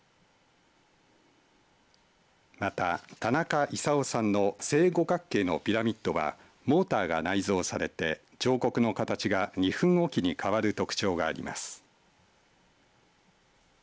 また田中薫さんの正五角形のピラミッドはモーターが内蔵されて彫刻の形が２分おきに変わる特徴があります。